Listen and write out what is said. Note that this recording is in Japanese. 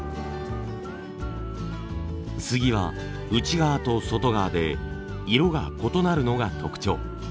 スギは内側と外側で色が異なるのが特徴。